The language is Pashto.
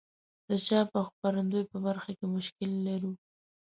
د چاپ او خپرندوی په برخه کې مشکل لرو.